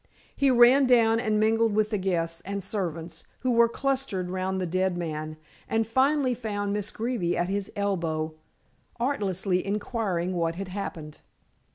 He ran down and mingled with the guests and servants, who were clustered round the dead man, and finally found Miss Greeby at his elbow, artlessly inquiring what had happened.